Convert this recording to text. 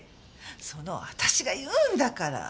その私が言うんだから。